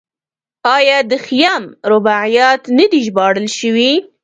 آیا د خیام رباعیات نه دي ژباړل شوي؟